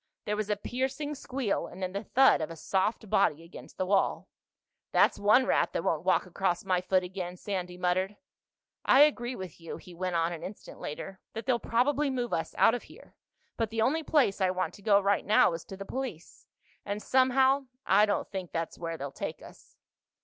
There was a piercing squeal and then the thud of a soft body against the wall. "That's one rat that won't walk across my foot again," Sandy muttered. "I agree with you," he went on an instant later, "that they'll probably move us out of here. But the only place I want to go right now is to the police—and somehow I don't think that's where they'll take us."